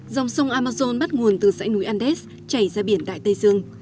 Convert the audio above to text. dòng sông amazon bắt nguồn từ dãy núi andes chảy ra biển đại tây dương